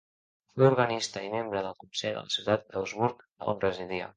Fou organista i membre del consell de la ciutat d'Augsburg, on residia.